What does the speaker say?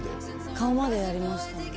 顔までやりましたね。